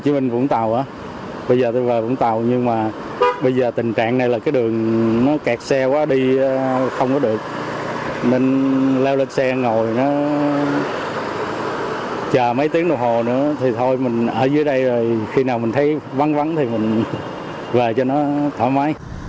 mấy tiếng đồng hồ nữa thì thôi mình ở dưới đây rồi khi nào mình thấy vắng vắng thì mình về cho nó thoải mái